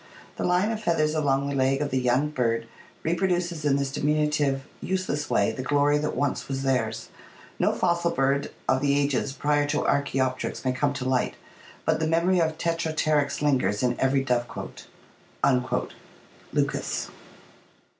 The line of feathers along the leg of the young bird reproduces in this diminutive, useless way the glory that once was theirs. No fossil bird of the ages prior to Arckteopteryx may come to light, but the memory of Tetrapteryx lingers in every dove cote" (Lucas).